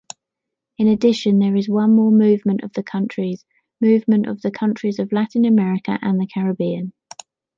In addition there is one more movement of the countries - movement of the countries of Latin America and the Caribbean.